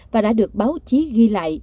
và đã được báo chí ghi lại